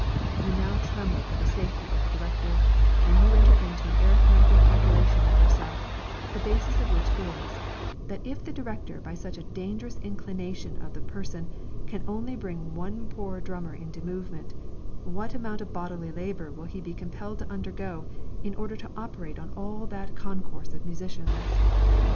You now tremble for the safety of the director, and you enter into an arithmetical calculation with yourself, the basis of which is, that if the director by such a dangerous inclination of the person can only bring one poor drummer into movement, what amount of bodily labour he will be compelled to undergo, in order to operate on all that concourse of musicians.